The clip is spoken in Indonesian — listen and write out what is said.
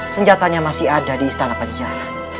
senjatanya masih ada di istana pajajaran